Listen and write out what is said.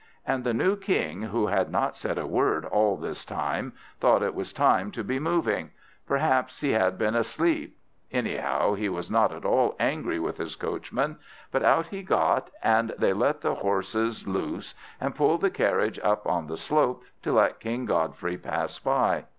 And the new King, who had not said a word all this time, thought it was time to be moving; perhaps he had been asleep; anyhow, he was not at all angry with his coachman, but out he got, and they let the horses loose, and pulled the carriage up on the slope to let King Godfrey pass by.